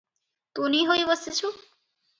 ତୁନି ହୋଇ ବସିଛୁ?